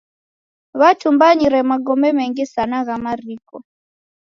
W'atumbanyire magome mengi sana gha mariko.